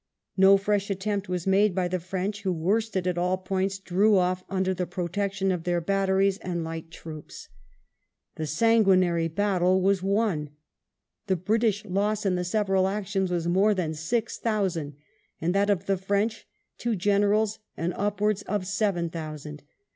No fresh attempt was made by the French, who, worsted at all points, drew off under the protection of their batteries and light troops. The 124 WELLINGTON chaf. Mmgrnnaiy batile was woil The Brituh loss m the teveral actions was more than six thousand, and that of the French, two generals and upwaids of seren thousand.